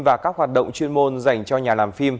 và các hoạt động chuyên môn dành cho nhà làm phim